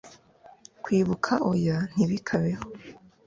kwibuka oya ntibikabeho